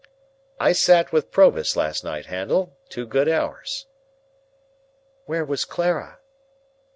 "I sat with Provis last night, Handel, two good hours." "Where was Clara?"